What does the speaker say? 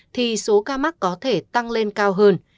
thì số ca mắc có thể tăng lên cao hơn